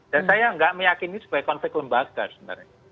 dan saya enggak meyakini sebagai konflik lembaga sebenarnya